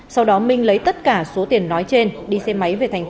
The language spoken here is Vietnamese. sau đó minh lấy tất cả số tiền nói trên đi xe máy về tp hcm